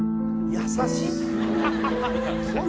「優しい！